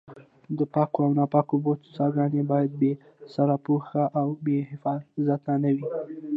د پاکو او ناپاکو اوبو څاګانې باید بې سرپوښه او بې حفاظته نه وي.